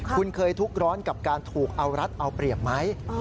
คุณเคยทุกข์ร้อนกับการถูกเอารัดเอาเปรียบไหม